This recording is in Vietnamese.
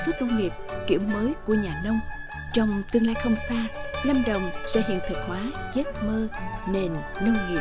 xuất nông nghiệp kiểu mới của nhà nông trong tương lai không xa lâm đồng sẽ hiện thực hóa giấc mơ nền nông nghiệp